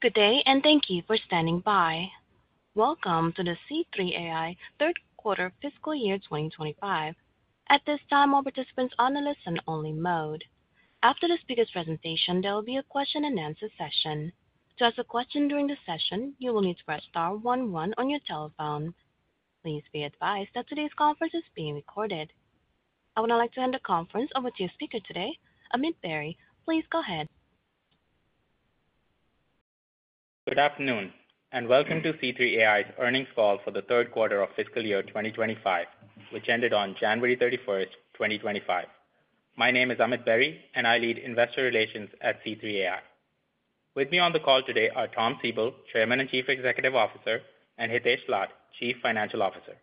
Good day, and thank you for standing by. Welcome to the C3.ai Third Quarter Fiscal Year 2025. At this time, all participants are on a listen-only mode. After the speaker's presentation, there will be a question-and-answer session. To ask a question during the session, you will need to press star 11 on your telephone. Please be advised that today's conference is being recorded. I would now like to hand the conference over to your speaker today, Amit Berry. Please go ahead. Good afternoon, and welcome to C3.ai's earnings call for the third quarter of fiscal year 2025, which ended on January 31st, 2025. My name is Amit Berry, and I lead investor relations at C3.ai. With me on the call today are Tom Siebel, Chairman and Chief Executive Officer, and Hitesh Lath, Chief Financial Officer.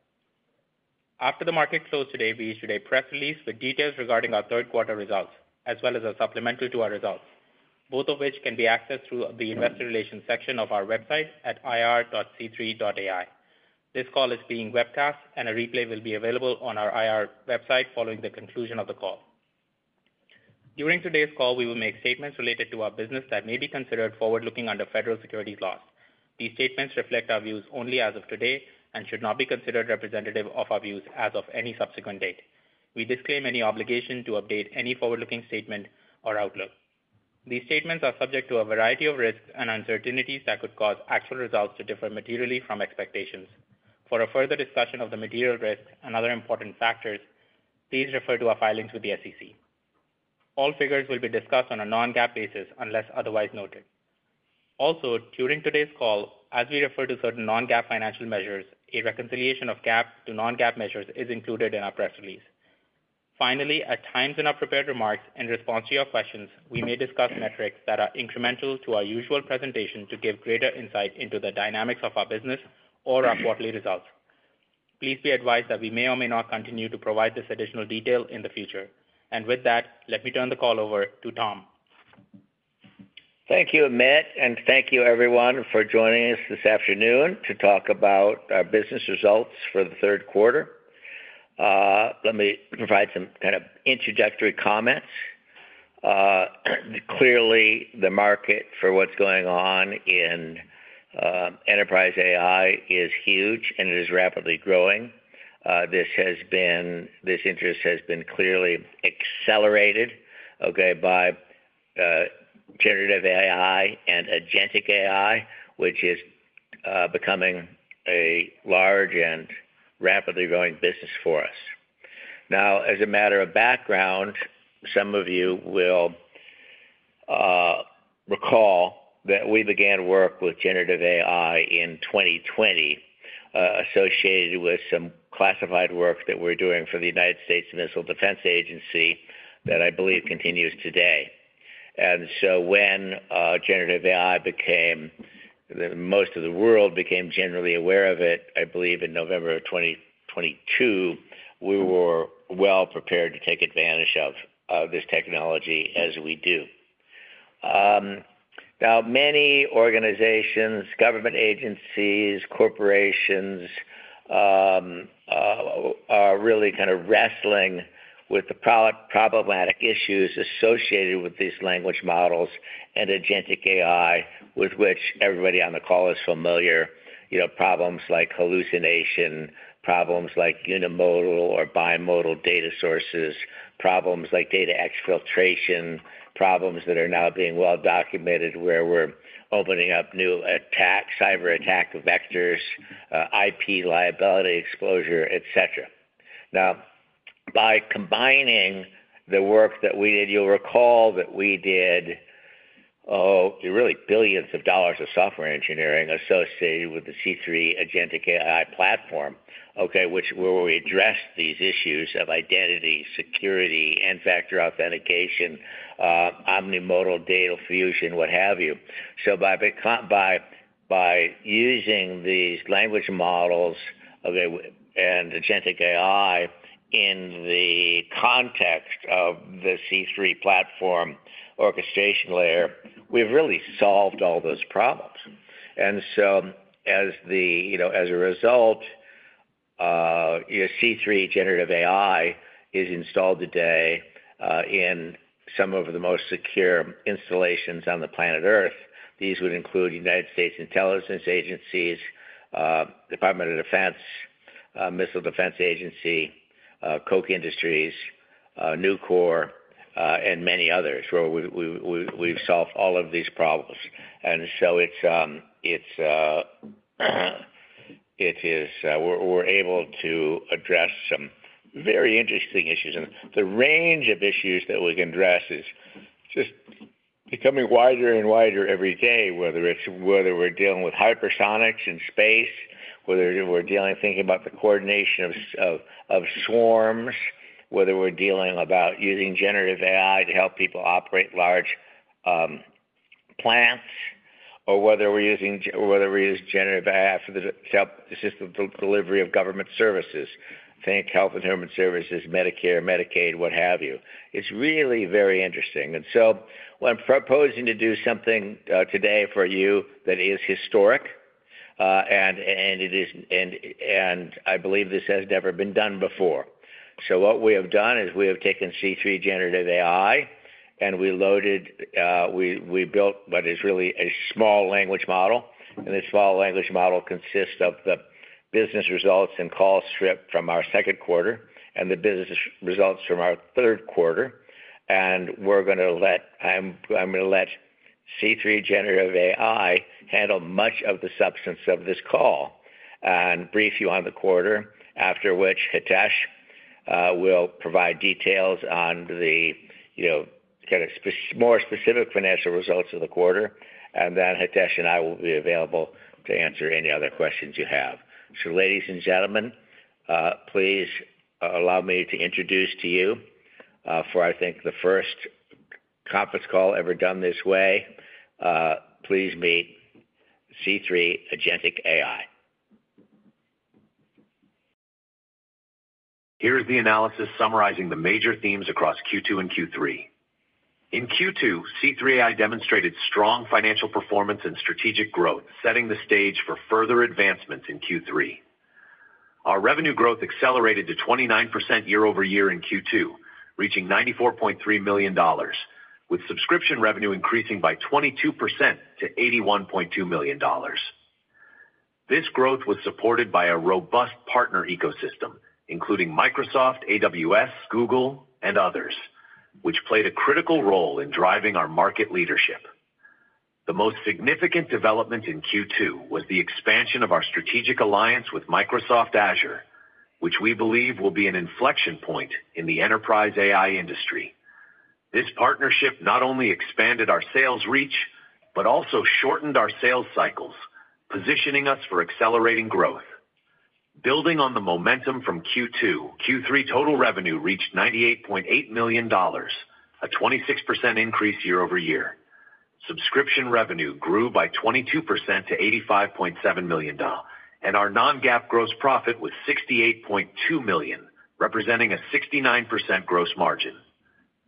After the market closed today, we issued a press release with details regarding our third quarter results, as well as a supplemental to our results, both of which can be accessed through the investor relations section of our website at ir.c3.ai. This call is being webcast, and a replay will be available on our IR website following the conclusion of the call. During today's call, we will make statements related to our business that may be considered forward-looking under federal securities laws. These statements reflect our views only as of today and should not be considered representative of our views as of any subsequent date. We disclaim any obligation to update any forward-looking statement or outlook. These statements are subject to a variety of risks and uncertainties that could cause actual results to differ materially from expectations. For further discussion of the material risks and other important factors, please refer to our filings with the SEC. All figures will be discussed on a non-GAAP basis unless otherwise noted. Also, during today's call, as we refer to certain non-GAAP financial measures, a reconciliation of GAAP to non-GAAP measures is included in our press release. Finally, at times in our prepared remarks in response to your questions, we may discuss metrics that are incremental to our usual presentation to give greater insight into the dynamics of our business or our quarterly results. Please be advised that we may or may not continue to provide this additional detail in the future. And with that, let me turn the call over to Tom. Thank you, Amit, and thank you, everyone, for joining us this afternoon to talk about our business results for the third quarter. Let me provide some kind of introductory comments. Clearly, the market for what's going on in enterprise AI is huge, and it is rapidly growing. This interest has been clearly accelerated by generative AI and agentic AI, which is becoming a large and rapidly growing business for us. Now, as a matter of background, some of you will recall that we began work with generative AI in 2020, associated with some classified work that we're doing for the United States Missile Defense Agency that I believe continues today. And so when generative AI became, most of the world became generally aware of it, I believe in November of 2022, we were well prepared to take advantage of this technology as we do. Now, many organizations, government agencies, corporations are really kind of wrestling with the problematic issues associated with these language models and agentic AI, with which everybody on the call is familiar: problems like hallucination, problems like unimodal or bimodal data sources, problems like data exfiltration, problems that are now being well documented, where we're opening up new attacks, cyber attack vectors, IP liability exposure, etc. Now, by combining the work that we did, you'll recall that we did, oh, really billions of dollars of software engineering associated with the C3 agentic AI platform, which we addressed these issues of identity, security, and multi-factor authentication, omnimodal data fusion, what have you. So by using these language models and agentic AI in the context of the C3 platform orchestration layer, we've really solved all those problems. As a result, C3 Generative AI is installed today in some of the most secure installations on the planet Earth. These would include U.S. Intelligence Community, U.S. Department of Defense, U.S. Missile Defense Agency, Koch Industries, Nucor, and many others, where we've solved all of these problems. We're able to address some very interesting issues. The range of issues that we can address is just becoming wider and wider every day, whether we're dealing with hypersonics in space, whether we're thinking about the coordination of swarms, whether we're dealing with using generative AI to help people operate large plants, or whether we use generative AI to help assist the delivery of government services, think health and human services, Medicare, Medicaid, what have you. It's really very interesting. I'm proposing to do something today for you that is historic, and I believe this has never been done before. What we have done is we have taken C3 Generative AI, and we built what is really a small language model. This small language model consists of the business results and calls stripped from our second quarter and the business results from our third quarter. I'm going to let C3 Generative AI handle much of the substance of this call and brief you on the quarter, after which Hitesh will provide details on the kind of more specific financial results of the quarter. Then Hitesh and I will be available to answer any other questions you have. Ladies and gentlemen, please allow me to introduce to you for, I think, the first conference call ever done this way. Please meet C3 Agentic AI. Here is the analysis summarizing the major themes across Q2 and Q3. In Q2, C3.ai demonstrated strong financial performance and strategic growth, setting the stage for further advancements in Q3. Our revenue growth accelerated to 29% year-over-year in Q2, reaching $94.3 million, with subscription revenue increasing by 22% to $81.2 million. This growth was supported by a robust partner ecosystem, including Microsoft, AWS, Google, and others, which played a critical role in driving our market leadership. The most significant development in Q2 was the expansion of our strategic alliance with Microsoft Azure, which we believe will be an inflection point in the enterprise AI industry. This partnership not only expanded our sales reach but also shortened our sales cycles, positioning us for accelerating growth. Building on the momentum from Q2, Q3 total revenue reached $98.8 million, a 26% increase year-over-year. Subscription revenue grew by 22% to $85.7 million, and our non-GAAP gross profit was $68.2 million, representing a 69% gross margin.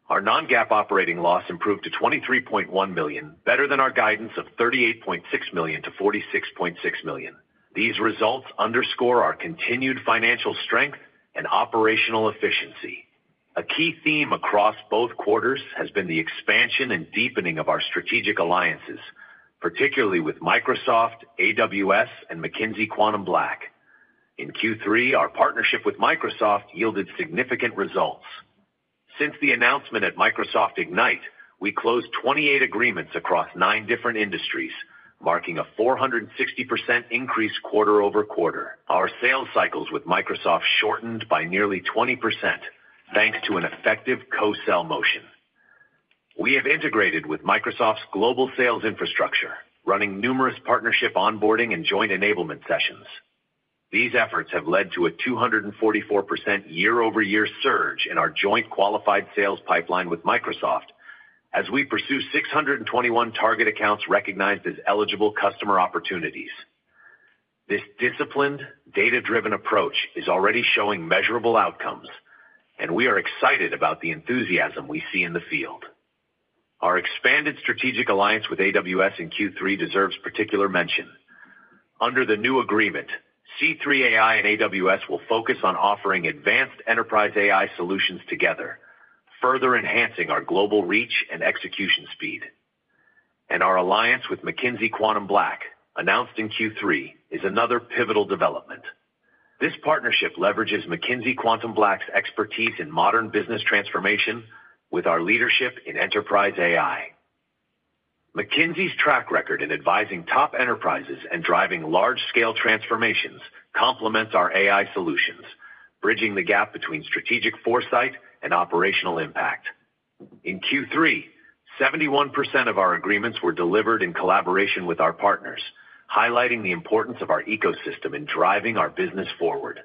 Our non-GAAP operating loss improved to $23.1 million, better than our guidance of $38.6 million-$46.6 million. These results underscore our continued financial strength and operational efficiency. A key theme across both quarters has been the expansion and deepening of our strategic alliances, particularly with Microsoft, AWS, and McKinsey QuantumBlack. In Q3, our partnership with Microsoft yielded significant results. Since the announcement at Microsoft Ignite, we closed 28 agreements across nine different industries, marking a 460% increase quarter over quarter. Our sales cycles with Microsoft shortened by nearly 20%, thanks to an effective co-sell motion. We have integrated with Microsoft's global sales infrastructure, running numerous partnership onboarding and joint enablement sessions. These efforts have led to a 244% year-over-year surge in our joint qualified sales pipeline with Microsoft as we pursue 621 target accounts recognized as eligible customer opportunities. This disciplined, data-driven approach is already showing measurable outcomes, and we are excited about the enthusiasm we see in the field. Our expanded strategic alliance with AWS in Q3 deserves particular mention. Under the new agreement, C3.ai and AWS will focus on offering advanced enterprise AI solutions together, further enhancing our global reach and execution speed. And our alliance with McKinsey QuantumBlack, announced in Q3, is another pivotal development. This partnership leverages McKinsey QuantumBlack's expertise in modern business transformation with our leadership in enterprise AI. McKinsey's track record in advising top enterprises and driving large-scale transformations complements our AI solutions, bridging the gap between strategic foresight and operational impact. In Q3, 71% of our agreements were delivered in collaboration with our partners, highlighting the importance of our ecosystem in driving our business forward.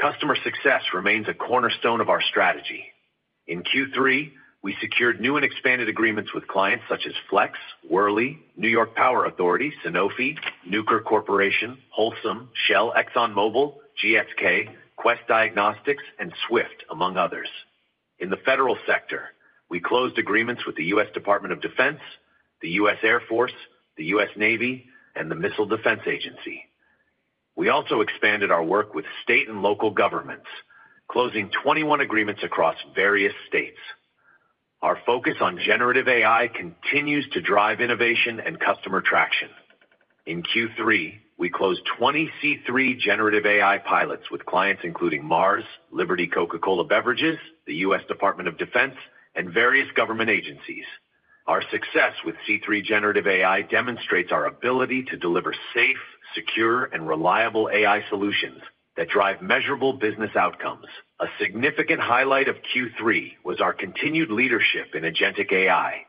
Customer success remains a cornerstone of our strategy. In Q3, we secured new and expanded agreements with clients such as Flex, Worley, New York Power Authority, Sanofi, Nucor Corporation, Holcim, Shell, ExxonMobil, GSK, Quest Diagnostics, and SWIFT, among others. In the federal sector, we closed agreements with the U.S. Department of Defense, the U.S. Air Force, the U.S. Navy, and the Missile Defense Agency. We also expanded our work with state and local governments, closing 21 agreements across various states. Our focus on generative AI continues to drive innovation and customer traction. In Q3, we closed 20 C3 generative AI pilots with clients including Mars, Liberty, Coca-Cola Beverages, the U.S. Department of Defense, and various government agencies. Our success with C3 generative AI demonstrates our ability to deliver safe, secure, and reliable AI solutions that drive measurable business outcomes. A significant highlight of Q3 was our continued leadership in agentic AI.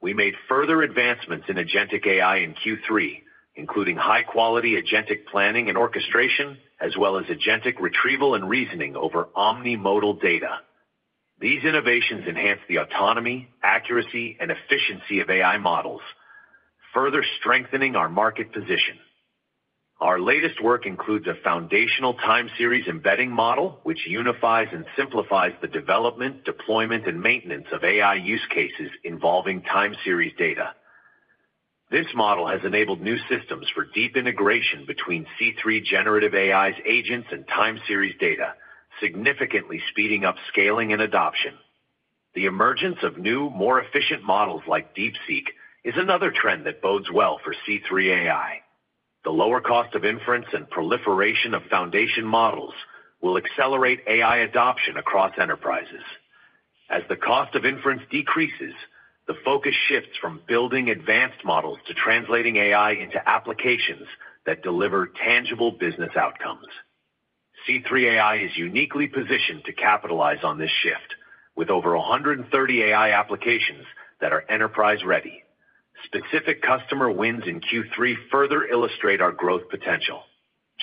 We made further advancements in agentic AI in Q3, including high-quality agentic planning and orchestration, as well as agentic retrieval and reasoning over omnimodal data. These innovations enhanced the autonomy, accuracy, and efficiency of AI models, further strengthening our market position. Our latest work includes a foundational time series embedding model, which unifies and simplifies the development, deployment, and maintenance of AI use cases involving time series data. This model has enabled new systems for deep integration between C3 generative AI's agents and time series data, significantly speeding up scaling and adoption. The emergence of new, more efficient models like DeepSeek is another trend that bodes well for C3.ai. The lower cost of inference and proliferation of foundation models will accelerate AI adoption across enterprises. As the cost of inference decreases, the focus shifts from building advanced models to translating AI into applications that deliver tangible business outcomes. C3.ai is uniquely positioned to capitalize on this shift, with over 130 AI applications that are enterprise-ready. Specific customer wins in Q3 further illustrate our growth potential.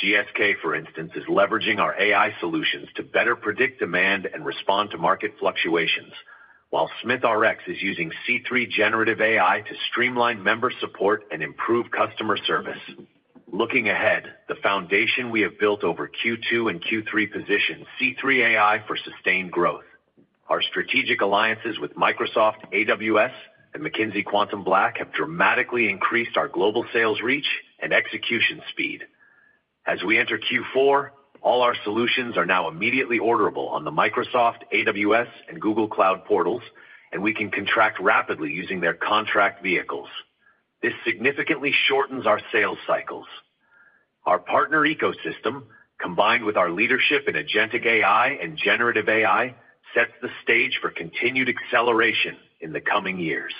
GSK, for instance, is leveraging our AI solutions to better predict demand and respond to market fluctuations, while SmithRx is using C3 generative AI to streamline member support and improve customer service. Looking ahead, the foundation we have built over Q2 and Q3 positions C3.ai for sustained growth. Our strategic alliances with Microsoft, AWS, and McKinsey QuantumBlack have dramatically increased our global sales reach and execution speed. As we enter Q4, all our solutions are now immediately orderable on the Microsoft, AWS, and Google Cloud portals, and we can contract rapidly using their contract vehicles. This significantly shortens our sales cycles. Our partner ecosystem, combined with our leadership in agentic AI and generative AI, sets the stage for continued acceleration in the coming years.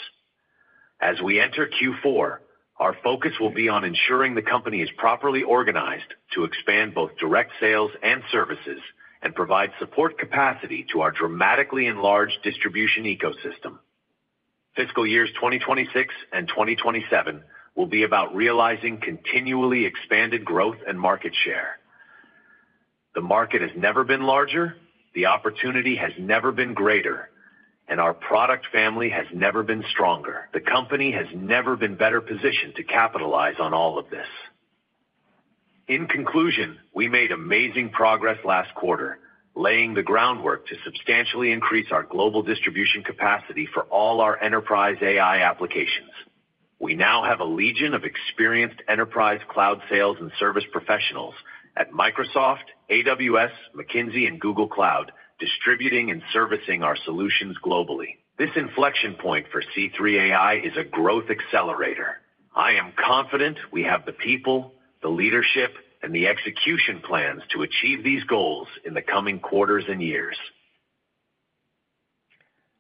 As we enter Q4, our focus will be on ensuring the company is properly organized to expand both direct sales and services and provide support capacity to our dramatically enlarged distribution ecosystem. Fiscal years 2026 and 2027 will be about realizing continually expanded growth and market share. The market has never been larger, the opportunity has never been greater, and our product family has never been stronger. The company has never been better positioned to capitalize on all of this. In conclusion, we made amazing progress last quarter, laying the groundwork to substantially increase our global distribution capacity for all our enterprise AI applications. We now have a legion of experienced enterprise cloud sales and service professionals at Microsoft, AWS, McKinsey, and Google Cloud distributing and servicing our solutions globally. This inflection point for C3.ai is a growth accelerator. I am confident we have the people, the leadership, and the execution plans to achieve these goals in the coming quarters and years.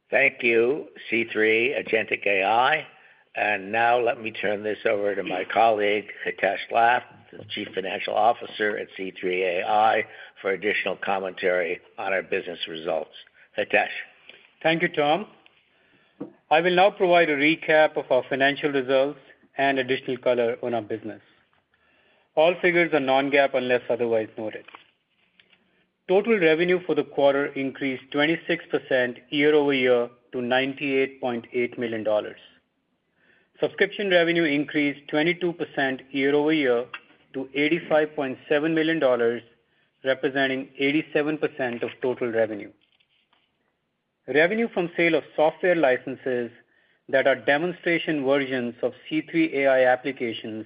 Thank you, C3 Agentic AI. And now let me turn this over to my colleague, Hitesh Lath, the Chief Financial Officer at C3.ai, for additional commentary on our business results. Hitesh. Thank you, Tom. I will now provide a recap of our financial results and additional color on our business. All figures are non-GAAP unless otherwise noted. Total revenue for the quarter increased 26% year-over-year to $98.8 million. Subscription revenue increased 22% year-over-year to $85.7 million, representing 87% of total revenue. Revenue from sale of software licenses that are demonstration versions of C3.ai applications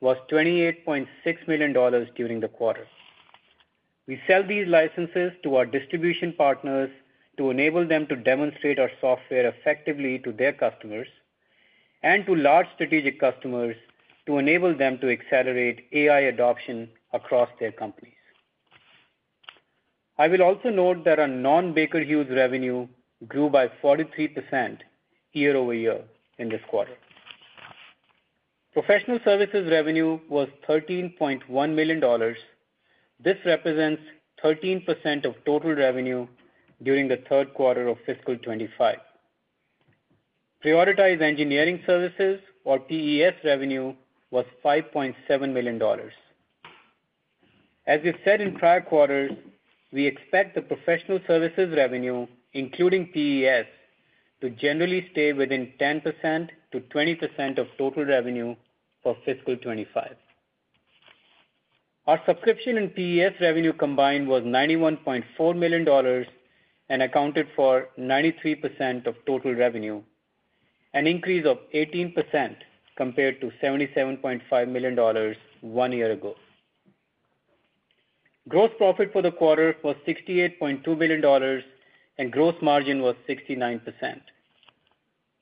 was $28.6 million during the quarter. We sell these licenses to our distribution partners to enable them to demonstrate our software effectively to their customers and to large strategic customers to enable them to accelerate AI adoption across their companies. I will also note that our Baker Hughes revenue grew by 43% year-over-year in this quarter. Professional services revenue was $13.1 million. This represents 13% of total revenue during the third quarter of fiscal 2025. Prioritized Engineering Services, or PES, revenue was $5.7 million. As we've said in prior quarters, we expect the professional services revenue, including PES, to generally stay within 10%-20% of total revenue for fiscal 2025. Our subscription and PES revenue combined was $91.4 million and accounted for 93% of total revenue, an increase of 18% compared to $77.5 million one year ago. Gross profit for the quarter was $68.2 million, and gross margin was 69%.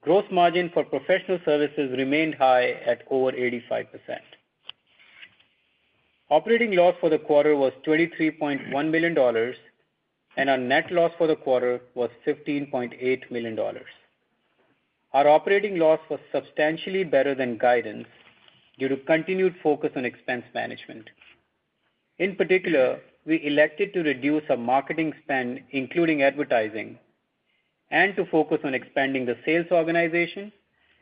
Gross margin for professional services remained high at over 85%. Operating loss for the quarter was $23.1 million, and our net loss for the quarter was $15.8 million. Our operating loss was substantially better than guidance due to continued focus on expense management. In particular, we elected to reduce our marketing spend, including advertising, and to focus on expanding the sales organization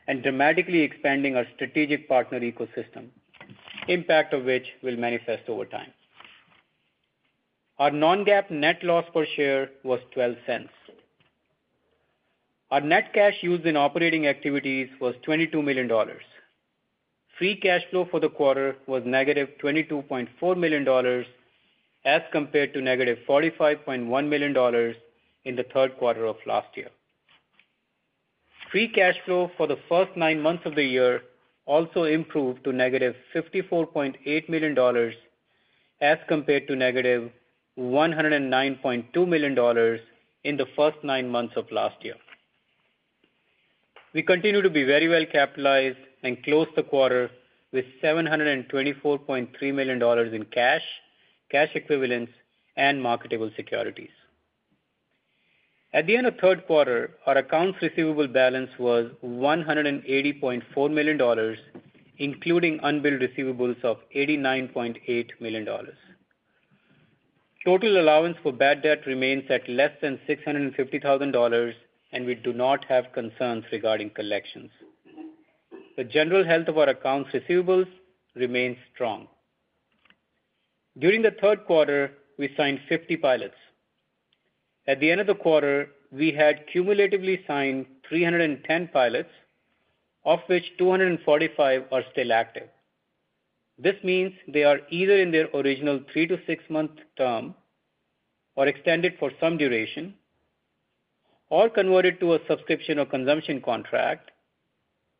and dramatically expanding our strategic partner ecosystem, impact of which will manifest over time. Our Non-GAAP net loss per share was $0.12. Our net cash used in operating activities was $22 million. Free cash flow for the quarter was negative $22.4 million as compared to negative $45.1 million in the third quarter of last year. Free cash flow for the first nine months of the year also improved to negative $54.8 million as compared to negative $109.2 million in the first nine months of last year. We continue to be very well capitalized and closed the quarter with $724.3 million in cash, cash equivalents, and marketable securities. At the end of third quarter, our accounts receivable balance was $180.4 million, including unbilled receivables of $89.8 million. Total allowance for bad debt remains at less than $650,000, and we do not have concerns regarding collections. The general health of our accounts receivables remains strong. During the third quarter, we signed 50 pilots. At the end of the quarter, we had cumulatively signed 310 pilots, of which 245 are still active. This means they are either in their original three- to six-month term or extended for some duration or converted to a subscription or consumption contract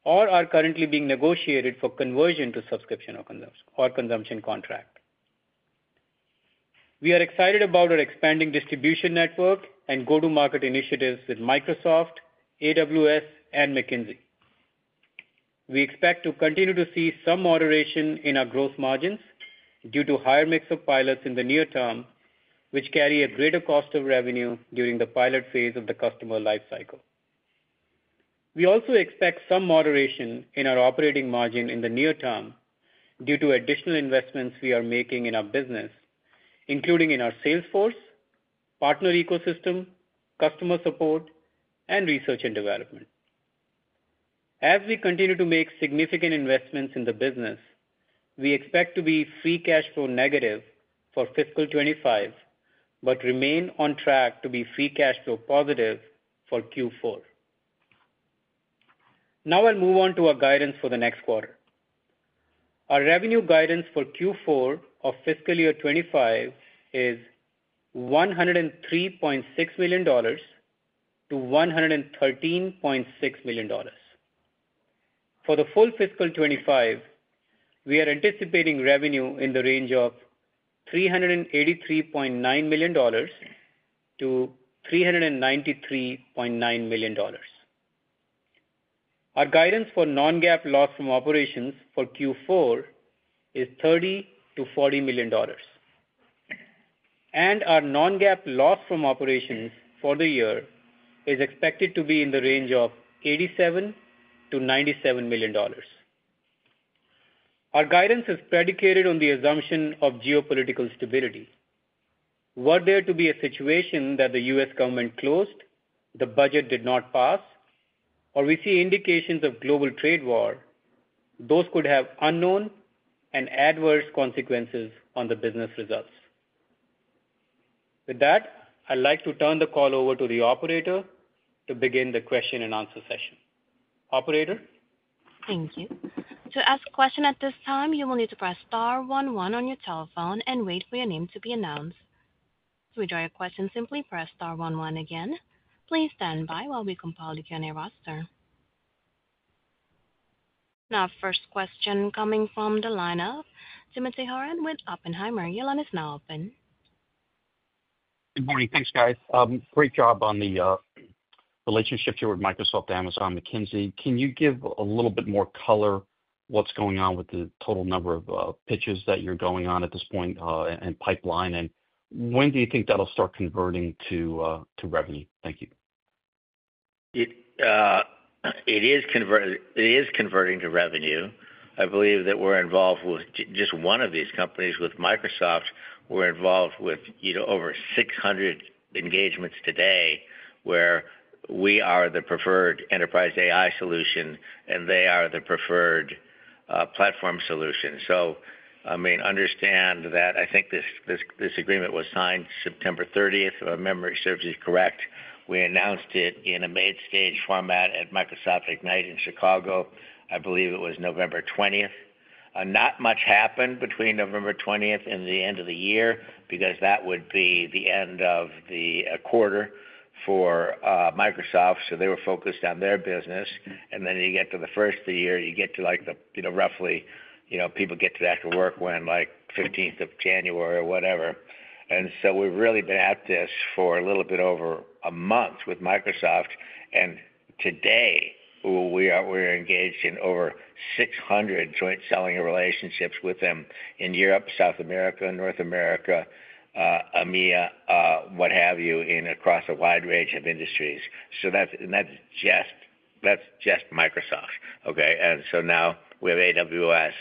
or are currently being negotiated for conversion to subscription or consumption contract. We are excited about our expanding distribution network and go-to-market initiatives with Microsoft, AWS, and McKinsey. We expect to continue to see some moderation in our gross margins due to higher mix of pilots in the near term, which carry a greater cost of revenue during the pilot phase of the customer lifecycle. We also expect some moderation in our operating margin in the near term due to additional investments we are making in our business, including in our sales force, partner ecosystem, customer support, and research and development. As we continue to make significant investments in the business, we expect to be free cash flow negative for fiscal 2025 but remain on track to be free cash flow positive for Q4. Now I'll move on to our guidance for the next quarter. Our revenue guidance for Q4 of fiscal year 2025 is $103.6 million-$113.6 million. For the full fiscal 2025, we are anticipating revenue in the range of $383.9 million-$393.9 million. Our guidance for non-GAAP loss from operations for Q4 is $30-$40 million, and our non-GAAP loss from operations for the year is expected to be in the range of $87-$97 million. Our guidance is predicated on the assumption of geopolitical stability. Were there to be a situation that the U.S. government closed, the budget did not pass, or we see indications of global trade war, those could have unknown and adverse consequences on the business results. With that, I'd like to turn the call over to the operator to begin the question and answer session. Operator. Thank you. To ask a question at this time, you will need to press star one one on your telephone and wait for your name to be announced. To withdraw your question, simply press star one one again. Please stand by while we compile the Q&A roster. Now, first question coming from the lineup, Timothy Horan with Oppenheimer. Your line is now open. Good morning. Thanks, guys. Great job on the relationships here with Microsoft, Amazon, McKinsey. Can you give a little bit more color on what's going on with the total number of pitches that you're going on at this point and pipeline? And when do you think that'll start converting to revenue? Thank you. It is converting to revenue. I believe that we're involved with just one of these companies. With Microsoft, we're involved with over 600 engagements today where we are the preferred enterprise AI solution, and they are the preferred platform solution. So, I mean, understand that I think this agreement was signed September 30th, if my memory serves me correct. We announced it in a mainstage format at Microsoft Ignite in Chicago. I believe it was November 20th. Not much happened between November 20th and the end of the year because that would be the end of the quarter for Microsoft. So they were focused on their business. And then you get to the first of the year, you get to roughly people get to that to work when like 15th of January or whatever. And so we've really been at this for a little bit over a month with Microsoft. And today, we are engaged in over 600 joint selling relationships with them in Europe, South America, North America, EMEA, what have you, across a wide range of industries. So that's just Microsoft, okay? And so now we have AWS.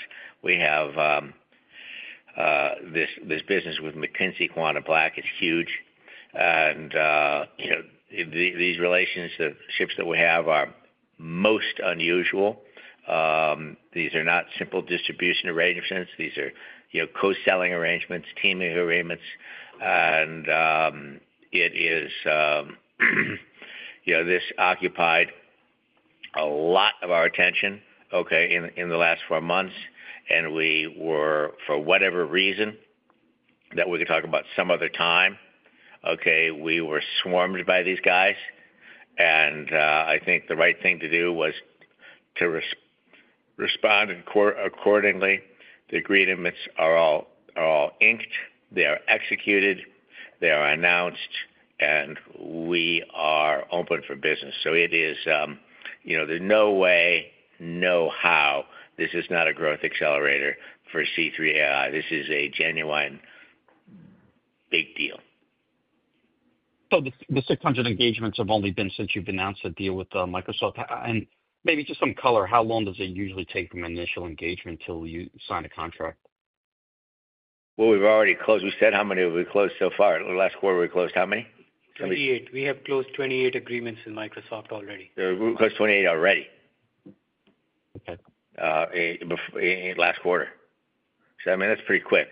We have this business with McKinsey, QuantumBlack is huge. And these relationships that we have are most unusual. These are not simple distribution arrangements. These are co-selling arrangements, teaming arrangements. And it is this occupied a lot of our attention, okay, in the last four months. And we were, for whatever reason, that we could talk about some other time, okay, we were swarmed by these guys. And I think the right thing to do was to respond accordingly. The agreements are all inked. They are executed. They are announced. And we are open for business. So it is. There's no way, no how. This is not a growth accelerator for C3.ai. This is a genuine big deal. So the 600 engagements have only been since you've announced a deal with Microsoft. And maybe just some color, how long does it usually take from initial engagement until you sign a contract? We've already closed. We said how many have we closed so far? Last quarter, we closed how many? We have closed 28 agreements with Microsoft already. We closed 28 already last quarter. So I mean, that's pretty quick.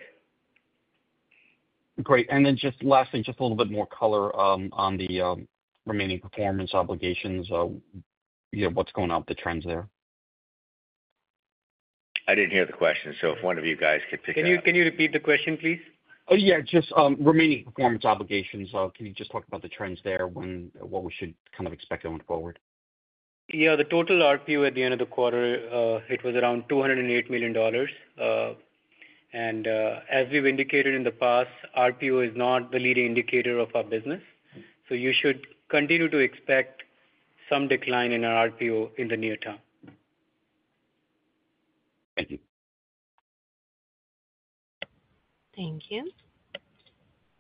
Great. And then, just lastly, just a little bit more color on the remaining performance obligations. What's going on with the trends there? I didn't hear the question. So if one of you guys could pick up. Can you repeat the question, please? Oh, yeah. Just remaining performance obligations. Can you just talk about the trends there, what we should kind of expect going forward? Yeah. The total RPO at the end of the quarter, it was around $208 million. And as we've indicated in the past, RPO is not the leading indicator of our business. So you should continue to expect some decline in our RPO in the near term. Thank you. Thank you.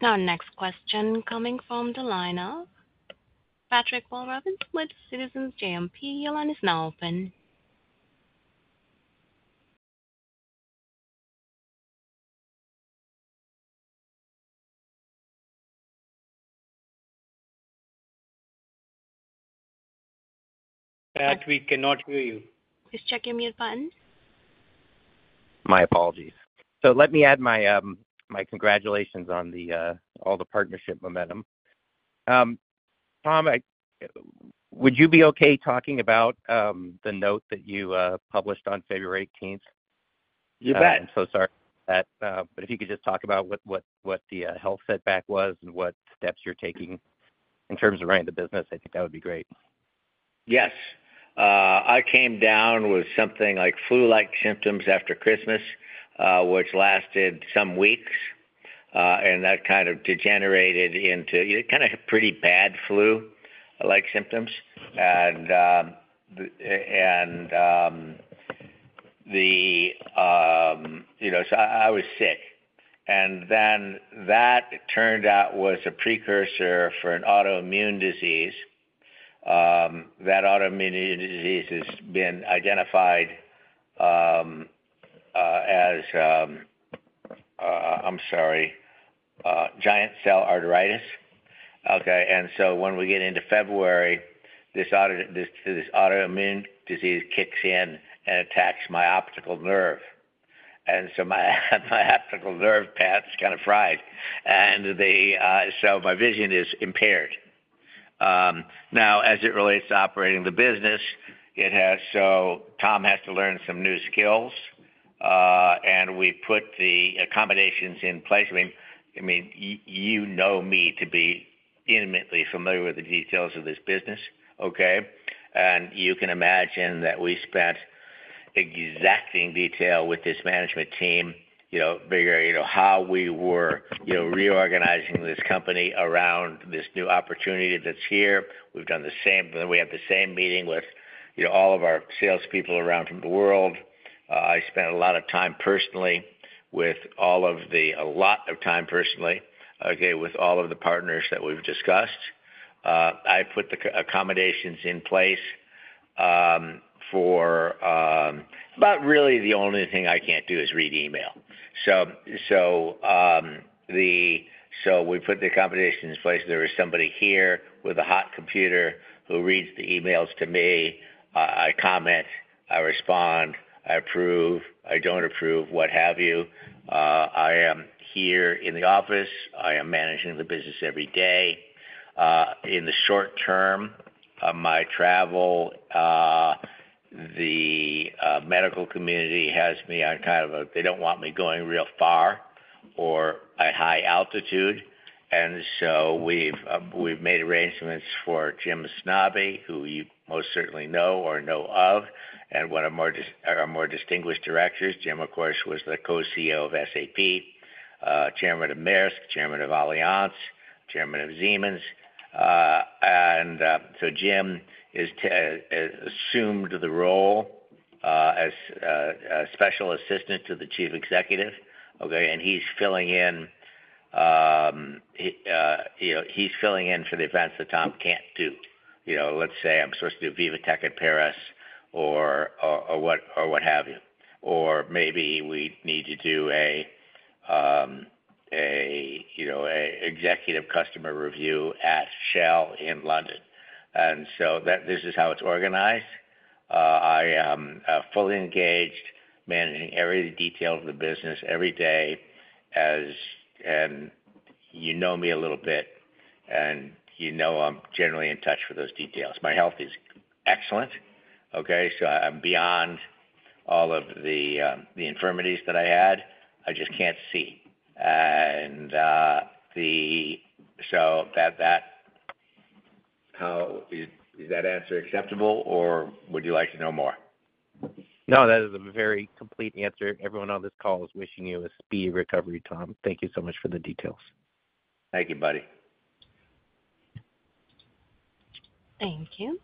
Now, next question coming from the lineup. Patrick Walravens with Citizens JMP. Your line is now open. Pat, we cannot hear you. Please check your mute button. My apologies. So let me add my congratulations on all the partnership momentum. Tom, would you be okay talking about the note that you published on February 18th? You bet. I'm so sorry about that, but if you could just talk about what the health setback was and what steps you're taking in terms of running the business, I think that would be great. Yes. I came down with something like flu-like symptoms after Christmas, which lasted some weeks, and that kind of degenerated into kind of pretty bad flu-like symptoms, and so I was sick, and then that turned out was a precursor for an autoimmune disease. That autoimmune disease has been identified as, I'm sorry, giant cell arteritis. Okay, and so when we get into February, this autoimmune disease kicks in and attacks my optic nerve, and so my optic nerve path is kind of fried, and so my vision is impaired. Now, as it relates to operating the business, so Tom has to learn some new skills, and we put the accommodations in place. I mean, you know me to be intimately familiar with the details of this business, okay? You can imagine that we spent exacting detail with this management team, how we were reorganizing this company around this new opportunity that's here. We've done the same. We had the same meeting with all of our salespeople around the world. I spent a lot of time personally, okay, with all of the partners that we've discussed. I put the accommodations in place for about really the only thing I can't do is read email. So we put the accommodations in place. There is somebody here with a hot computer who reads the emails to me. I comment. I respond. I approve. I don't approve, what have you. I am here in the office. I am managing the business every day. In the short term, my travel, the medical community has me on kind of a they don't want me going real far or at high altitude, and so we've made arrangements for Jim Snabe, who you most certainly know or know of, and one of our more distinguished directors. Jim, of course, was the co-CEO of SAP, chairman of Maersk, chairman of Allianz, chairman of Siemens, and so Jim has assumed the role as special assistant to the Chief Executive, okay, and he's filling in for the events that Tom can't do. Let's say I'm supposed to do VivaTech at Paris or what have you, or maybe we need to do an executive customer review at Shell in London, and so this is how it's organized. I am fully engaged, managing every detail of the business every day, and you know me a little bit. And you know I'm generally in touch with those details. My health is excellent, okay? So I'm beyond all of the infirmities that I had. I just can't see. And so that. Is that answer acceptable or would you like to know more? No, that is a very complete answer. Everyone on this call is wishing you a speedy recovery, Tom. Thank you so much for the details. Thank you, buddy. Thank you.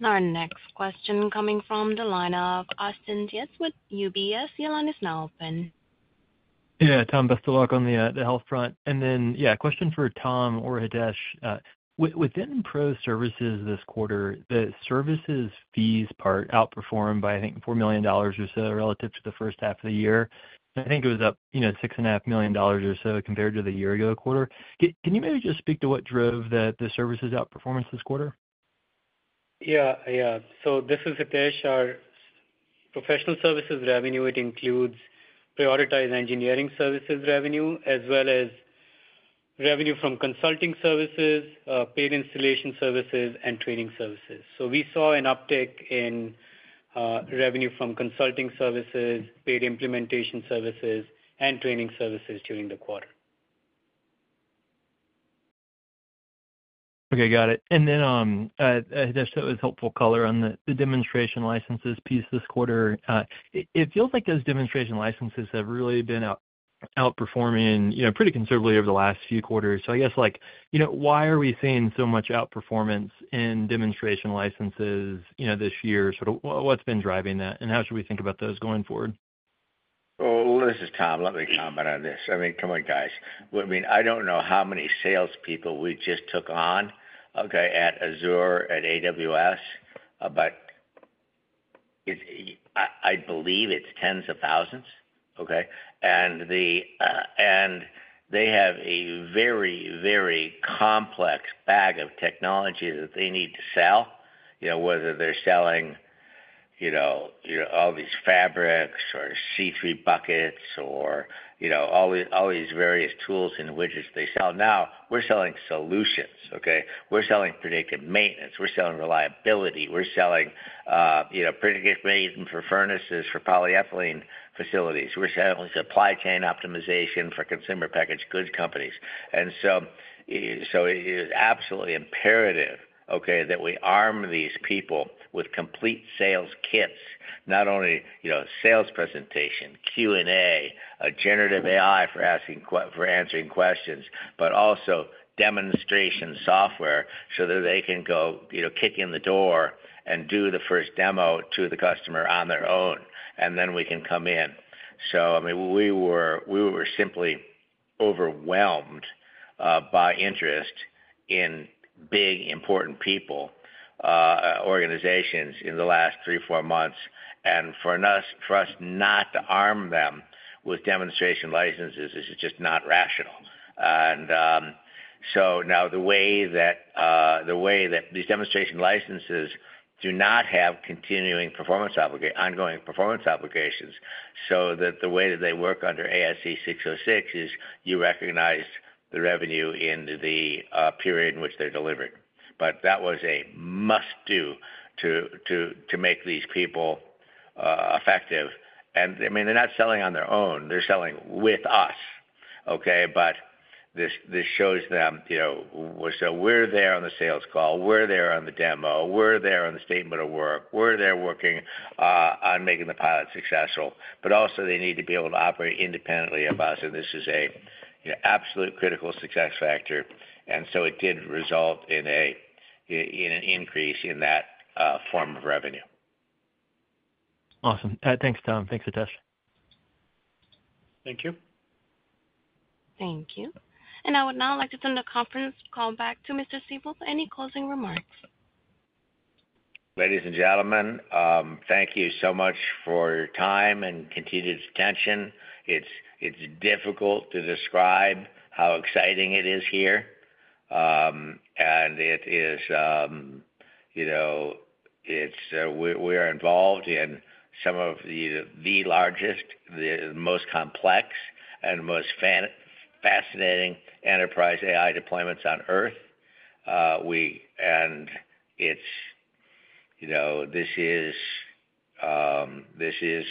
Now, our next question coming from the line of Austin Dietz with UBS. Your line is now open. Yeah. Tom, let's talk on the health front, and then, yeah, question for Tom or Hitesh. Within ProServices this quarter, the services fees part outperformed by, I think, $4 million or so relative to the first half of the year. I think it was up $6.5 million or so compared to the year ago quarter. Can you maybe just speak to what drove the services outperformance this quarter? This is Hitesh. Our professional services revenue, it includes Prioritized Engineering Services revenue as well as revenue from consulting services, paid installation services, and training services. We saw an uptick in revenue from consulting services, paid implementation services, and training services during the quarter. Okay. Got it. And then, Hitesh, that was helpful color on the demonstration licenses piece this quarter. It feels like those demonstration licenses have really been outperforming pretty considerably over the last few quarters. So I guess, why are we seeing so much outperformance in demonstration licenses this year? What's been driving that? And how should we think about those going forward? Oh, listen, Tom, let me comment on this. I mean, come on, guys. I mean, I don't know how many salespeople we just took on, okay, at Azure, at AWS, but I believe it's tens of thousands, okay? And they have a very, very complex bag of technology that they need to sell, whether they're selling all these fabrics or S3 buckets or all these various tools and widgets they sell. Now, we're selling solutions, okay? We're selling predictive maintenance. We're selling reliability. We're selling predictive maintenance for furnaces for polyethylene facilities. We're selling supply chain optimization for consumer packaged goods companies. It is absolutely imperative, okay, that we arm these people with complete sales kits, not only sales presentation, Q&A, a generative AI for answering questions, but also demonstration software so that they can go kick in the door and do the first demo to the customer on their own. Then we can come in. I mean, we were simply overwhelmed by interest in big, important people, organizations in the last three, four months. For us not to arm them with demonstration licenses is just not rational. Now the way that these demonstration licenses do not have continuing performance obligations, ongoing performance obligations, so that the way that they work under ASC 606 is you recognize the revenue in the period in which they're delivered. But that was a must-do to make these people effective. I mean, they're not selling on their own. They're selling with us, okay? But this shows them so we're there on the sales call. We're there on the demo. We're there on the statement of work. We're there working on making the pilot successful. But also, they need to be able to operate independently of us. And this is an absolute critical success factor. And so it did result in an increase in that form of revenue. Awesome. Thanks, Tom. Thanks, Hitesh. Thank you. Thank you. And I would now like to turn the conference call back to Mr. Siebel for any closing remarks. Ladies and gentlemen, thank you so much for your time and continued attention. It's difficult to describe how exciting it is here. And it is, we are involved in some of the largest, the most complex, and most fascinating enterprise AI deployments on Earth. And this is,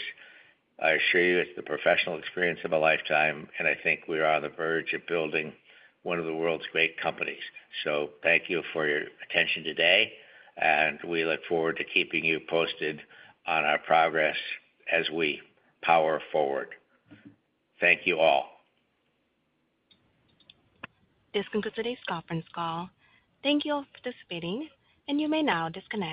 I assure you, it's the professional experience of a lifetime. And I think we are on the verge of building one of the world's great companies. So thank you for your attention today. And we look forward to keeping you posted on our progress as we power forward. Thank you all. This concludes today's conference call. Thank you all for participating. And you may now disconnect.